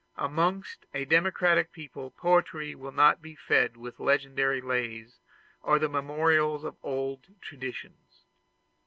Amongst a democratic people poetry will not be fed with legendary lays or the memorials of old traditions.